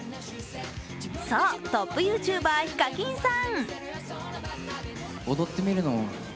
そう、トップＹｏｕＴｕｂｅｒＨＩＫＡＫＩＮさん。